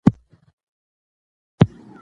زده کړې نجونې د ټولنې د باور ساتنه کوي.